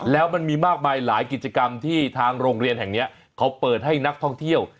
แล้วมันมีมากมายหลายกิจกรรมที่ทางโรงเรียนแห่งนี้เขาเปิดให้นักท่องเที่ยว